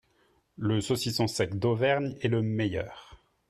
Le saucisson sec d'Auvergne est le meilleur